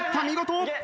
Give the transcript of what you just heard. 見事！